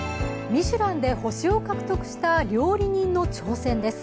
ミシュランで星を獲得した料理人の挑戦です。